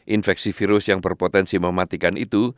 infeksi virus yang berpotensi mematikan itu